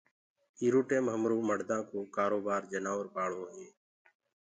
ايرو ٽيم همرو مڙدآ ڪو ڪآروبآر جنآور پآݪوو هي